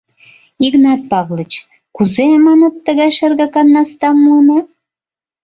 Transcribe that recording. Игнат Павлыч, кузе, маныт, тыгай шергакан настам муынат?